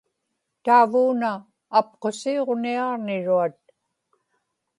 taavuuna apqusiuġniaġniruat